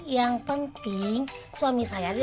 yang penting suami saya